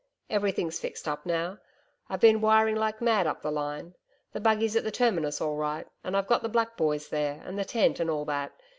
Everything's fixed up now I've been wiring like mad up the line .... The buggy's at the Terminus all right, and I've got the black boys there, and the tent and all that.